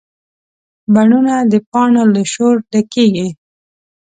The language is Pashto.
بڼونه د پاڼو له شور ډکېږي